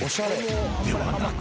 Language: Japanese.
［ではなく］